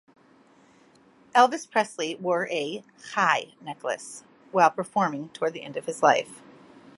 Elvis Presley wore a Chai necklace while performing toward the end of his life.